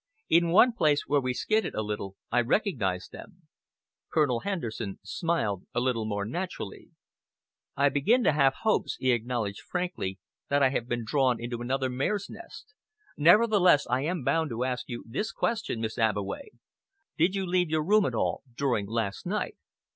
"In one place, where we skidded a little, I recognized them." Colonel Henderson smiled a little more naturally. "I begin to have hopes," he acknowledged frankly, "that I have been drawn into another mare's nest. Nevertheless, I am bound to ask you this question, Miss Abbeway. Did you leave your room at all during last night?"